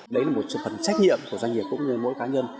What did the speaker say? đấy là một phần trách nhiệm của doanh nghiệp cũng như mỗi cá nhân